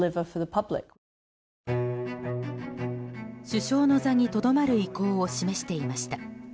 首相の座にとどまる意向を示していました。